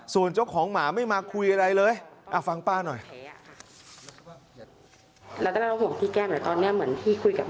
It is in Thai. ส่วนเจ้าของหมาไม่มาคุยอะไรเลย